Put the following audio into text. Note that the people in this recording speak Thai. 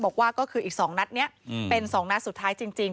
บอกว่าก็คืออีก๒นัดนี้เป็น๒นัดสุดท้ายจริง